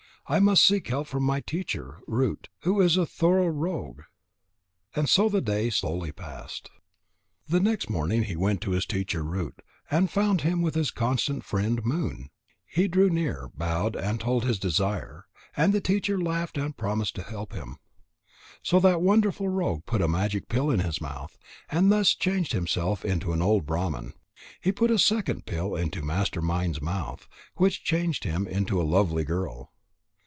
I must seek help from my teacher Root, who is a thorough rogue." And so the day slowly passed. The next morning he went to his teacher Root, and found him with his constant friend Moon. He drew near, bowed, and told his desire. And the teacher laughed and promised to help him. So that wonderful rogue put a magic pill in his mouth, and thus changed himself into an old Brahman. He put a second pill into Master mind's mouth, which changed him into a lovely girl.